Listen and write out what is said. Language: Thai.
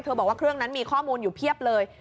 บอกว่าเครื่องนั้นมีข้อมูลอยู่เพียบเลย